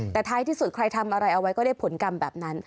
แต่ท้ายที่สุดใครทำอะไรเอาไว้ก็ได้ผลกรรมแบบนั้น